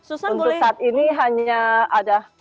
untuk saat ini hanya ada